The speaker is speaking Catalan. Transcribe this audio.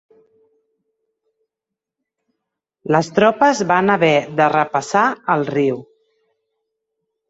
Les tropes van haver de repassar el riu.